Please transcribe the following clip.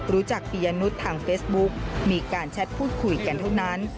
ปียนุษย์ทางเฟซบุ๊กมีการแชทพูดคุยกันเท่านั้น